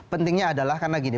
pentingnya adalah karena gini